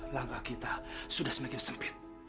langkah kita sudah semakin sempit